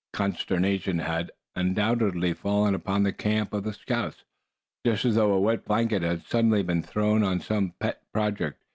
Consternation had undoubtedly fallen upon the camp of the scouts, just as though a wet blanket had suddenly been thrown on some pet project.